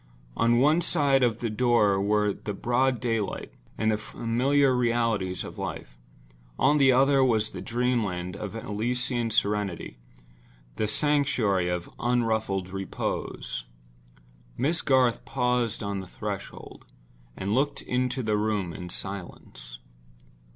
On one side of the door were the broad daylight and the familiar realities of life. On the other was the dream land of Elysian serenity—the sanctuary of unruffled repose. Miss Garth paused on the threshold, and looked into the room in silence.